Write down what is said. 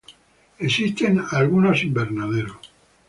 Existen algunos invernaderos.